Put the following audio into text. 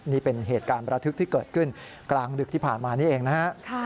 นี่เป็นเหตุการณ์ประทึกที่เกิดขึ้นกลางดึกที่ผ่านมานี้เองนะฮะ